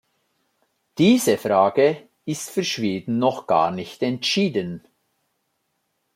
Diese Frage ist für Schweden noch gar nicht entschieden.